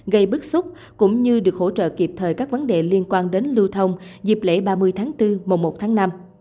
gây bức xúc cũng như được hỗ trợ kịp thời các vấn đề liên quan đến lưu thông dịp lễ ba mươi tháng bốn mùa một tháng năm